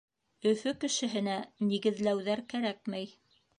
Өфө кешеһенә нигеҙләүҙәр кәрәкмәй.